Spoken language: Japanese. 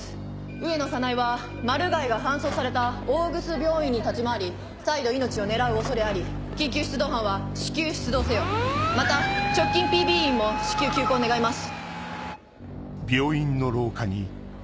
上野早苗はマルガイが搬送された大楠病院に立ち回り再度命を狙う恐れあり緊急出動班は至急出動せよまた直近ＰＢ員も至急急行願います。